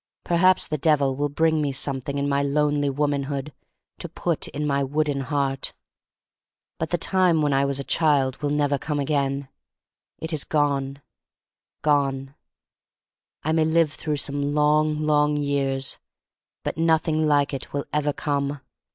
Perhaps the Devil will bring me something in my lonely womanhood to put in my wooden heart. But the time when I was a child will never come again. It is gone — gone. I may live through some long, long years, but nothing like it will ever come.